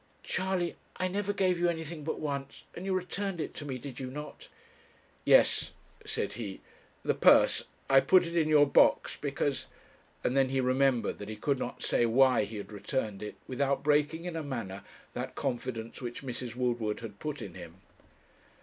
'Charley, I never gave you anything but once, and you returned it to me, did you not?' 'Yes,' said he, 'the purse I put it in your box, because ' And then he remembered that he could not say why he had returned it without breaking in a manner that confidence which Mrs. Woodward had put in him.